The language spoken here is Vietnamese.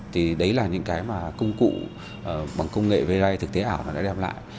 thì đấy là những cái mà công cụ bằng công nghệ vrite thực tế ảo nó đã đem lại